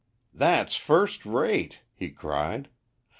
"That's first rate," he cried.